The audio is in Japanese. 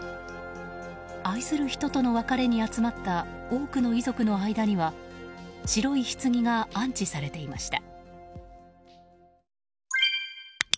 愛する人との別れに集まった多くの遺族の間には白いひつぎが安置されていました。